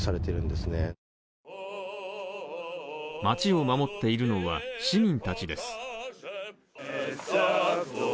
街を守っているのは市民たちです。